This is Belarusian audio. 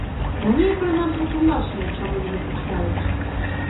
Раней, прынамсі, тлумачылі, чаму не выпускаюць.